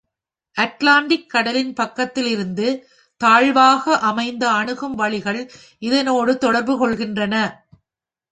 Atlantic கடலின் பக்கத்திலிருந்து, தாழ் வாக அமைந்த அணுகும் வழிகள் இதனோடு தொடர்பு கொள்கின்றன.